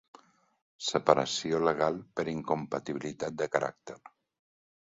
Separació legal per incompatibilitat de caràcter.